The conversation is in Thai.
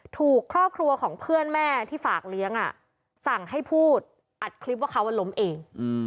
ถูกครอบครัวของเพื่อนแม่ที่ฝากเลี้ยงสั่งให้พูดอัดคลิปว่าเขาล้มเอง